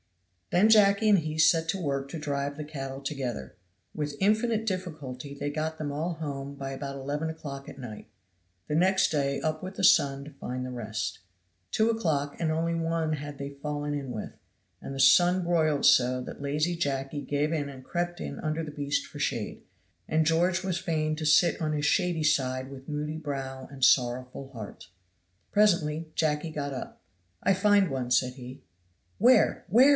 Then Jacky and he set to work to drive the cattle together. With infinite difficulty they got them all home by about eleven o'clock at night. The next day up with the sun to find the rest. Two o'clock and only one had they fallen in with, and the sun broiled so that lazy Jacky gave in and crept in under the beast for shade, and George was fain to sit on his shady side with moody brow and sorrowful heart. Presently Jacky got up. "I find one," said he. "Where? where?"